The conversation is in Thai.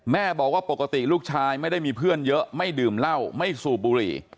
แม่บอกว่าปกติลูกชายไม่ได้มีเพื่อนเยอะไม่ดื่มเหล้าไม่สูบบุหรี่